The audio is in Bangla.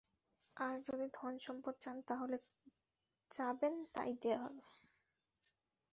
আর যদি ধনসম্পদ চান তাহলে যা চাবেন তাই দেয়া হবে।